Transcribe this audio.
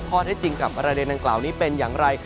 ได้จริงกับประเด็นดังกล่าวนี้เป็นอย่างไร